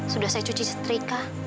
sudah saya cuci setrika